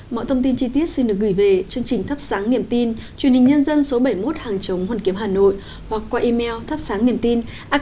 mọi thông tin chi tiết xin được gửi về chương trình thắp sáng niềm tin truyền hình nhân dân số bảy mươi một hàng chống hoàn kiếm hà nội hoặc qua email thapsangniemtin org vn